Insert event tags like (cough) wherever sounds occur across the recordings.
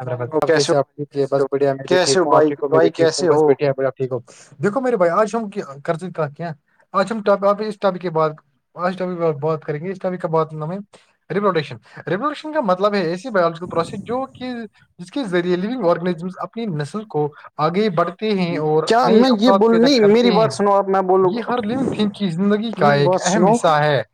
ے بس بڑیا میں بھی ٹھ ہوں آپ کو میں بھی ٹھ ہوں بس بٹھیا بڑ (unintelligible) ٹھیک دیکھو میرے بھائی آج ہم کر کہ کیا آج ہم آپ اس اپ کے بعد لاسٹائ ا بات کریں گے (unintelligible) اب کب بات ن ہے ریوولوشن ریوولوشن کا مطلب ہے ایےسی بایلوجیکل پروسیڈ جو (unintelligible) کہ جس کے ذریعے لونگ آرگنیزم اپنی نسل کو آگے بڑھتے ہیں اور کیا میں یہ بول نہیں میری بات سنو آپ میں بولوں گا میری بات سنو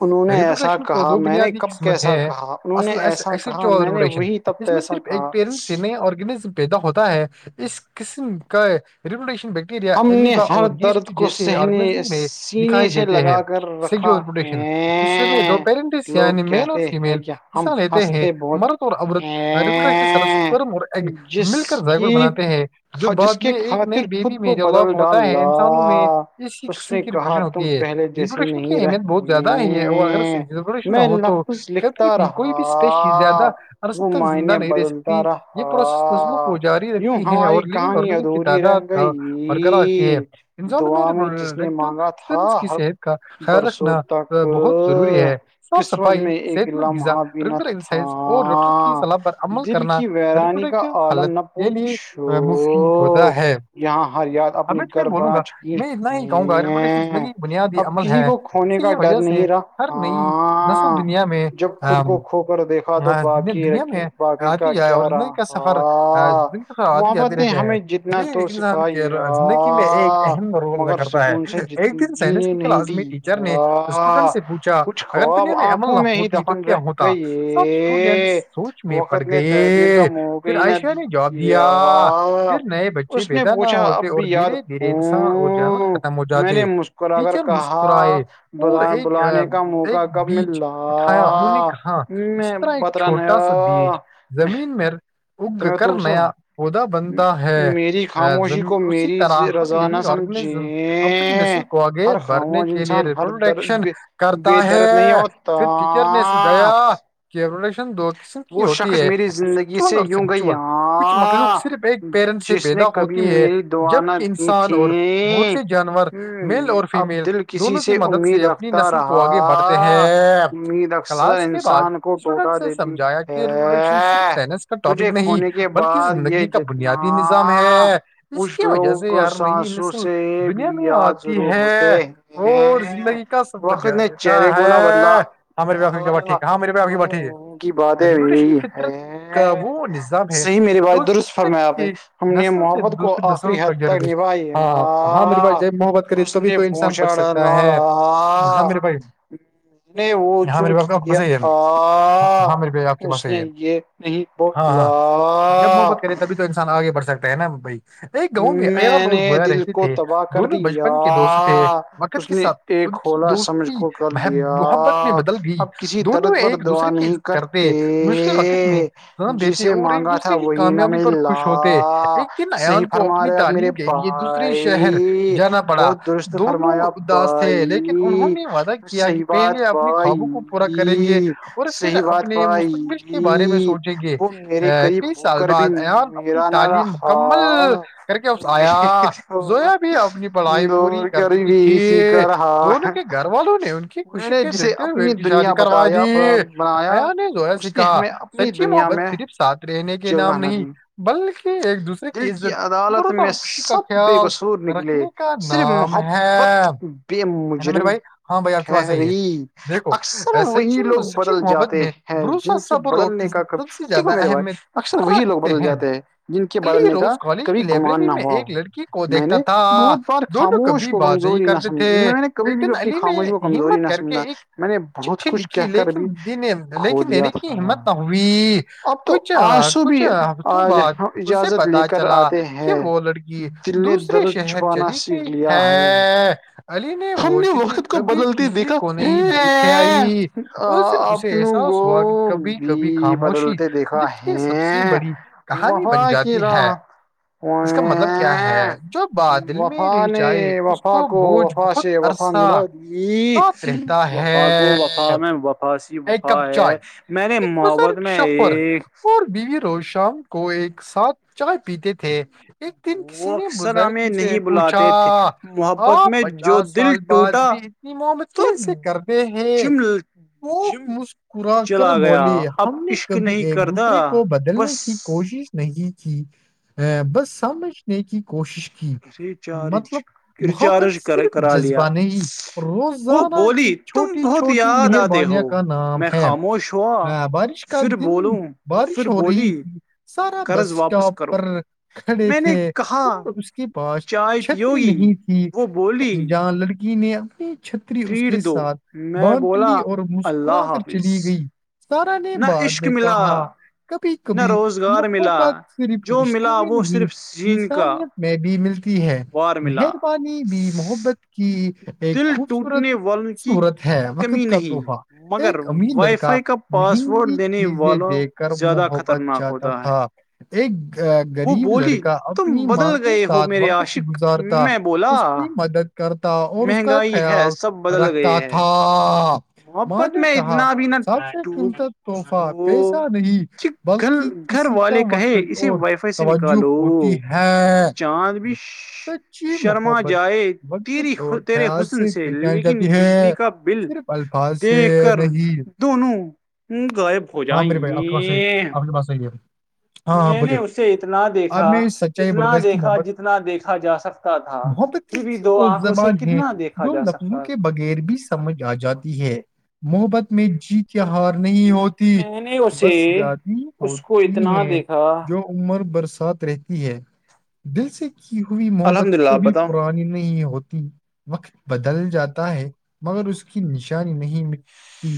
انہوں نے ایسا کہا میں نے کب کیسا کہا انہوں نے ایسا اھا کہا میں نے وہی تب ت ایسا کہا (unintelligible) آرگینزم پیدا ہوتا ہے اس قسم کا ریپوٹییشن بیکٹ امیبا اور گسٹ جیسے آرگائزیشن میں دکھائے دیتے ہیں (unintelligible) وشن اس دو پیرنٹس یعنی میل اور فیمیل حصہ لیتے ہیں مرد (unintelligible) برت آ ک (unintelligible) سرس کررم اور ایگ مل کر زاگڑ بناتے ہیں جو بعد میں ایک نئی بیبی میری ڈیولپ ہوتا ہے انسانوں میں اسی قسم کی ریپولیشن ہوتی ہے ریپوشن کی اہمیت بہت زیادہ یہ اگریش نہ ہو تو کبھی بھی کوئی بھی اسپیشل زیادہ ار سب تو زندہ نہیں رہے یہ پروسیس قظموں کو جاری رکھی ہے اور لونگ اورگ کی تعداد کا برقرار رتی ہے انسان بٹو فس کی صحت کا خیال رکھنا بہت ضروری ہے صاف صفائی صحت مند غذا ٹبر ایکسرسائز اور روٹر کی سلاح پر عمل کرنا ر حالت کے لیے مفتی ہوتا ہے (unintelligible) اب میں بولوں گا میں اتنا ہی کہوں گا رپوٹیشن اتنے ہی بنیادی عمل ہے اسی کی وجہ سے ہر نئی نسب دنیا میں ہاں دنیا میں ہے جائے اور زندگی کا سفر زندگی کا سر آتے جاتی رہتے ہیں جی لیک کے زندگی میں ایک اہم رول ادا کرتا ہے ایک دن سائنس کی کلاس میں ٹیچر نے تو اسٹوڈنٹ سے پوچھا اگر دنیا میں عمل نہ ہوتی تو کیا ہوتا سب اسٹوڈینٹس سوچ میں پڑ گئے پھر عائشہ نے جواب دیا پھر نئے بچے اچے بیدا نہ ہوتے اور دھیرے دھیرے انسان اور جانور ختم ہو جاتے ٹیچر مسکرائے پور ایک ایک بیج اٹھایا انہوں نے کہا جس طرح ایک چھوٹا سا بیج زمین میں اگ کر نیا پودا بنتا ہے اسی طرح ہر لونگ آرگنیزم اپنی نسل کو آگے بڑھنے کے لیے ریگولر ایکشن کرتا ہے پھر ٹیچر نے سجایا کیبڈیشن دو قسم کی ہو میری زندگی سے یوں گئی یہاں جس نے کبھی میری دعانا کی تیں اب دل کے کسی سے امید رکھتا رہا امید اکثر انسان کو ٹوٹا دیتی (inaudible) تجھے کھونے کے بعد یہ جتنا کچھ لوگوں کو سانسوں سے بھی یاد ضرور ہوتے ہیں وقت چرے کونا بدلا باتیں ہو ہے صحیح میری بات درست فرما آپ نے ہم نے محبت کو آخری حد تک نبھائی پہنچاڑا للا اس نے وہ چون کیا آ آپ کے پاس یہی ہے ہاں ہاں جب محبت کرے تبھی تو انسان آگے بڑھ سکتا ہے نا بھائی ایک گاؤں میں ایان اور زویا رہتے تھے دونوں بچپن کے دوست تھے وقد کے ساتھ ان کی دوستی محبت میں بدل گئی دونوں ایک دوسرے کی کرتے وقت میں سان دیتے اور ایک دوسرے کی کامیابی پر خوش ہوتے ایک دن ایان کو اپنی تعلیم کے لیے دوسرے شہر جانا پڑا دونوں اداس تھے لیکن انہوں نے وعدہ کیا کہ پہلے اپنی خوابوں کو پورا کریں گے اور پھر اپنے کے بارے میں سوچیں گے کئی سال بعد اییام اپنی تعلیم مکمل کر کے اس آیا زویا بھی اپنی پڑھائی پوری کر چکی تھی دونوں کے گھر والوں نے ان کی خوشی کے دیکھتے ہوئے ان کی شادی کروائی دی میا نے جو ہے کہا سچی محبت صرف ساتھ رہنے کے نام نہیں بلکہ ایک دوسرے کیت مرد اور خوشی کا خیال رکھنے کا نام ہے ہے نا میرے بھائی ہاں بھائی آپ کی بات صی ہے دیکھو سچی سچی محبت میں بروسا صبر اور سب سے زیادہ اہمیت رکھتے ہیں علی روز کالج لائبریری میں ایک لڑکی کو دیکھتا تھا دونوں کبھی بات نہیں کرتے تھے اٹن علی نے ہمت کر کے ایک چٹھی لکھی لیکن لیکن دینے ہمت نہ ہوئی کچھ کچھ ہفتوں بعد اسے پتا چلا کہ وہ لڑکی دوسرے شہر چلی گئی ہے علی نے سوچ ت کبھی کسی کو نہیں دکھےئی اس دن اسے احساس ہوا کہ کبھی کبھی خاموشی جس کی سب سے بڑی کہانی بن جاتی ہے اس کا مطلب کیا ہے جو بادل میں رہچائے اس کو بوجھ بہت عرصہ سات رہتا ہے وفاسی ایک کپ جوائے ایک بزرگ شخر اور بیوی روز شام کو ایک ساتھ چائے پیتے تھے ایک کسی نے بزرگ سے پوچھا آ پچاس سال بعد بھی نی محد کیسے کرتے ہیں وہ مسکرا کر بولے ہم نے کبھی ایک دوسرے کو بدلنے کی کوشش نہیں کی ا بس سمجھنے کی کوشش کی مطلب محبت صرف جذبہ نہیں ہی روزانہ کی چھوٹی چھوٹی بھیڑ پانیہ کا نام ہے بارش کا دن بارش ہو رہی ت سارا بس اسٹاپ پر کھڑے تھے اور اس کے پاس چھتری نہیں تھی جہاں لڑکی نے اپنی چھتری اس کے ساتھ بانٹلی اور مسکرا کر چلی گئی سارا نے بعد میں کہا کبھی کبھی محبت صرف رشتے میں نہیں انسانیت میں بھی ملتی ہے مہربانی بھی محبت کی ایک خوب خوبصورتصورت ہے وقت کا توحفہ ایک امیر لڑکا مندی چیزیں دیکھ کر محبت جاتا تھا ایک غریب لڑکا اپنی ماں کے ساتھ وقت گزارتا اس کی مدد کرتا اور اس کا خیال رکھتا تھا ماں نے کہا سب سے قیمت تحفہ پیسہ نہیں بلکہ کسی کا وقت اور توجہ ہوتی ہے سچ شرما جائے تو خیال سے بےچان جاتی ہے صرف ال سے نہیں ہاں میرے بھائی آ سے ا مجھے بسی میں نے اسے اتنا دیکھا اتنا دیکھا جتنا دیکھا جا سکتا تھا وہ زبان ہے جو لفنوں کے بغیر بھی سمجھ آ جاتی ہے محبت میں جیت کے ہار نہیں ہوتی بس زیادی ہوتی ہیں جو عمر برسات رہتی ہے دل سے ہوئی محبت کبھی پرانی نہیں ہوتی وقت بدل جاتا ہے مگر اس کی نش نہیں ملتی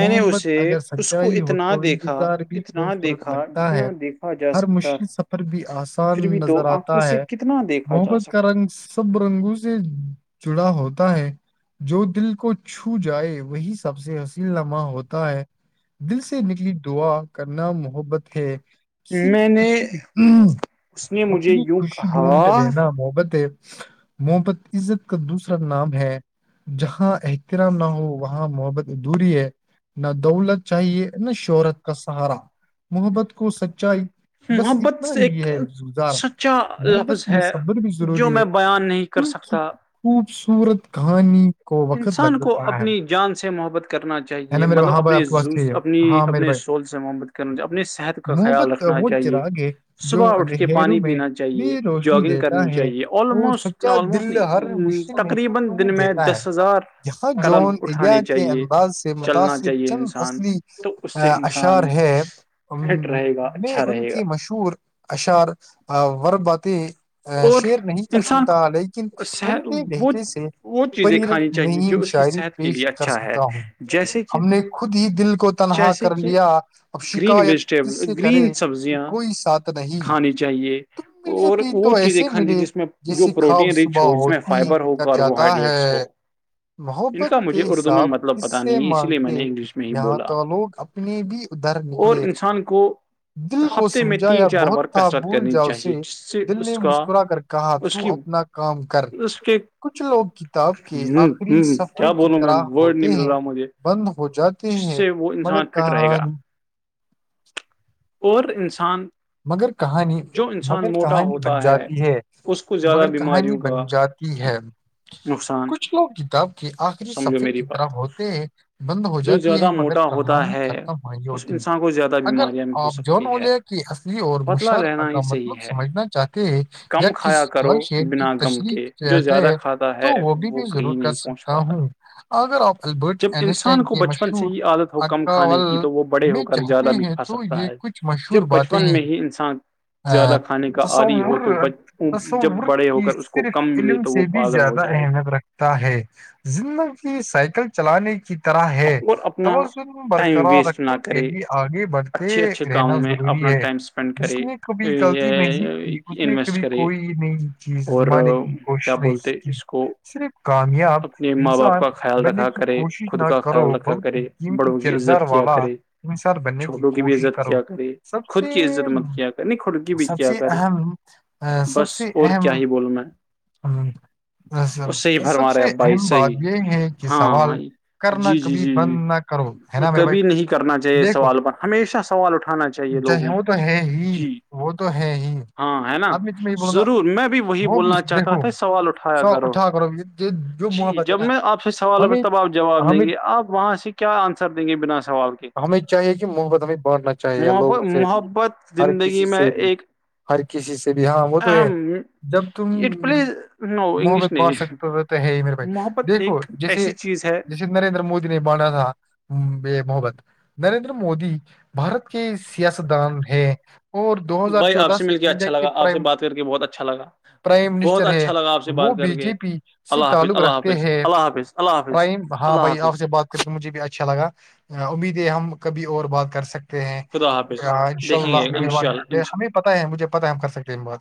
محبت اگر سچائی ہو تو انتظار بھی خوبصورت لگتا ہے ہر مشکل سفر بھی آسان نظر آتا ہے کتنا دیکھا محت کا رنگ سب رنگوں سے جڑا ہوتا ہے جو دل کو چھو جائے وہی سب سے حصل لمح ہوتا ہے دل سے نکلی دعا کرنا محبت ہے خوشی اپنی خوشی ڈھونڈٹ لنا محبت ہے محبت عزت کا دوسرا نام ہے جہاں رام نہ ہو وہاں محبت دوری ہے نہ دولت چاہیے نا شہرت کا سہارا محبت کو سچائی بس اتنا ہی ہے ززار محبس مصبر بھی ضروری ہے کیونکہ خوبصورت کہانی کو وقت انسان کو اپنی جان سے محبت کرنا چاہیے مطلب اپنے زوز اپنی اپنے سول سے محبت کرنا اپنی صحت کا خیال رکھنا چاہیے جو اندھیروں میں بھی روشنی دیتا ہے اور سچا دل ہر م دیتا ہے یہاں جون اڈیا کے انداز سے متاثر چند اصلی اشعار ہے میں ان کی مشہور چور اشار وورباتے شیئر نہیں کر سکتا لیکن ان کے بھیجے سے پری نئی شاعری پیش کر سکتا ہوں ہم نے خود ہی دل کو تنہا کر لیا شکایت کس سے کرے کہ کوئی سات نہیں تمے بھی تو ایسے ملے جیسے خواب صبح ہوتی بکر جاتا ہے محبت کے حساب کس سے مانتے یہاں تو لوگ ا اپنے بھی ادھر نکلے دل کو سمجھا یا بہت تھا بھول جاؤ اسے دل نے مسکرا کر کہا تو اپنا کام کر کچھ لوگ کتاب کے آخری سفرے کی طرح ہوتے ہیں بند ہو جاتے ہیں مگر کہانی مگر کہانی مگر کہانی بن جاتی ہے مگر کہانی بن جاتی ہے کچھ لوگ کتاب کے آخری صفحے کی طرح ہوتے ہیں بند ہو جاتی ہے مگر کہانی ختم نہیں ہوتی اگر آپ جوان اولیا کی اصلی اور مشر کا مطلب سمجھنا چاہتے ہیں یا کسی ہ شہر کی تشریح رہتے ہے تو وہ بھی میں ضرور کر سکتا ہوں اگر آپ البرٹ اس ین کے مشہور اکاول میں چاہتے ہیں تو تو یہ کچھ مشہور باتیں ہی تصور تصور کی صرف علم سے بھی زیادہ اہمیت رکھتا ہے زندگی سائیکل چلانے کی کی طرح ہے توازن برقرار رکھنے کے لیے آگے بڑھتے رہنا ضروری ہے جس نے کبھی غلطی نہیں کی اس نے کبھی کوئی نہیں چیز گمانے کی کوشش نہیں کی صرف کامیاب انسان بننے کی کوشش کرو بلکہ قم کردار والا انسار بننے گی کوشش کرو سب سے سب سے اہم ا سب سے اہم ہ سب سے اہم بات یہ ہے کہ سوال کرنا کبھی بند نہ کرو ہے نا میرے بھائی دیکھو وہ تو ہے ہی وہ تو ہے ہی ہاں ہے نا ضرور میں بھی وہی بولنا چاہتا تھا سوال اٹھایا کرو جی جب میں آپ سے سوال ہے تب آپ جواب دیں گے آپ وہاں سے کیا آنسر دیں گے بنا سوال کے بانٹھنا چاہیے لوگوں سے بھی ہر کسی سے بھی ہر کسی سے بھی ہاں وہ تو ہے جب تم محبت بانٹ سکتے ہو تو ہے ہی میرے بھائی دیکھو جیسے جیسے نریندر مودی نے باندا تھا بے محبت نریندر مودی بھارت کے سیاستدان ہے اور دو ہزار چودہ سے انڈیا کے پرائم پرائم منسٹر ہے وہ بی جے پی سے تعلق رکھتے ہیں پرائم ہاں بھائی آپ سے بات مجھے بھی اچھا لگا امید ہے ہم کبھی اور بات کر سکتے ان شاء اللہ ہمیں پتہ ہے مجھے پتا ہے ہم کر سکتے ہیں بہت